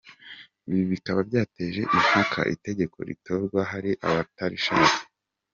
Ibi bikaba byateje impaka, itegeko ritorwa hari abatarishaka.